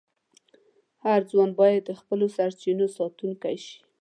هر ځوان باید د خپلو سرچینو ساتونکی شي.